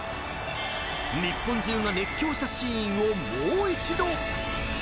日本中が熱狂したシーンを、もう一度。